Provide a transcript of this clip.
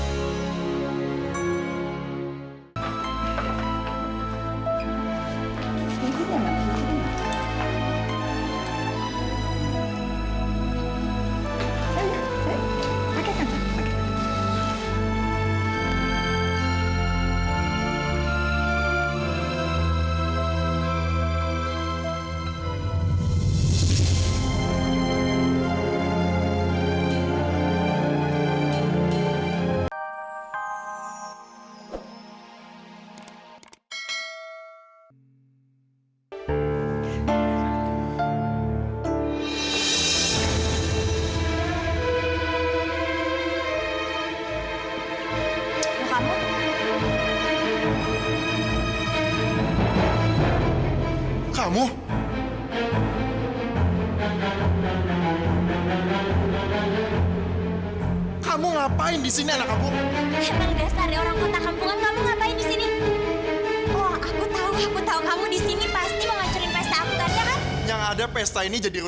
jangan lupa like share dan subscribe channel ini untuk dapat info terbaru